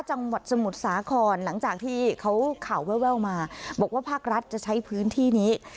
จังหวัดสมุทรสาครหลังจากที่เขาข่าวแววมาบอกว่าภาครัฐจะใช้พื้นที่นี้